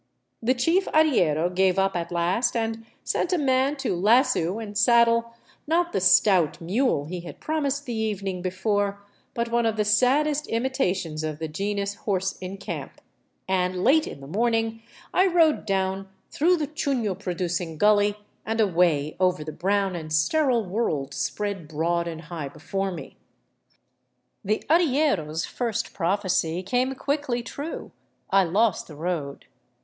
The chief arriero gave up at last and sent a man to lassoo and saddle, not the " stout mule " he had promised the evening before, but one of the saddest imitations of the genus horse in camp ; and late in the morning I rode down through the chufio producing gully and away over the brown and sterile world spread broad and high before me. The arriero's first prophecy came quickly true. I lost the road.